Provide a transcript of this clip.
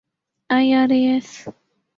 IRAS